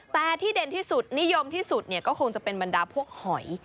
แต่ที่เด่นที่สุดนิยมที่สุดก็คงจะเป็นบรรดาพวกหอย